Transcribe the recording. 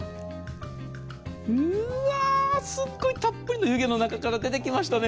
うわー、すごいたっぷりの湯気の中から出てきましたね。